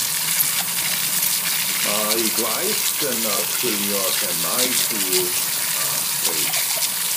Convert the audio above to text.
Mae ei gwaith yn archwilio themâu twf a chreu.